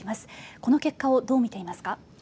この結果をどうみていますか。